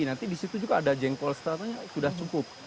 nanti disitu juga ada jengkol setelahnya sudah cukup